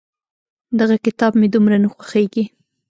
دغه کتاب مې دومره نه خوښېږي.